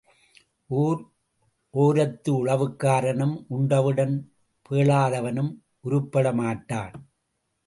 ஊர் ஓரத்து உழவுக்காரனும் உண்டவுடன் பேளாதவனும் உருப்படமாட்டான்.